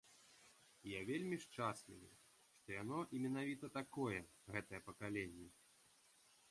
І я вельмі шчаслівы, што яно менавіта такое, гэтае пакаленне.